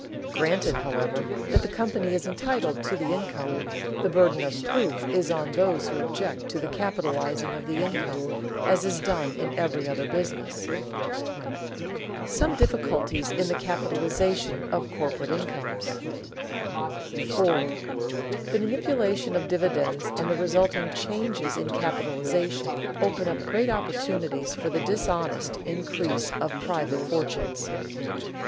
Granted, however, that the company is entitled to the income, the burden of proof is on those who object to the capitalizing of the income as is done in every other business. [Sidenote: Some difficulties in the capitalization of corporate incomes] 4. _The manipulation of dividends and the resulting changes in capitalization open up great opportunities for the dishonest increase of private fortunes.